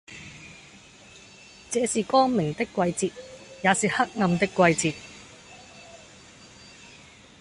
這是光明的季節，也是黑暗的季節，